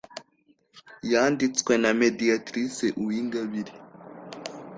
yanditswe na mediatrice uwingabire